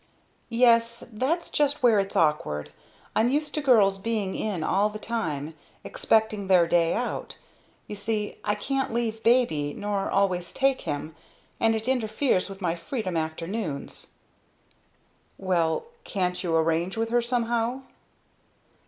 "Yes, that's just where it's awkward. I'm used to girls being in all the time, excepting their day out. You see I can't leave baby, nor always take him and it interferes with my freedom afternoons." "Well can't you arrange with her somehow?"